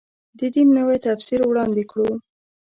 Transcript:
د دین نوی تفسیر وړاندې کړو.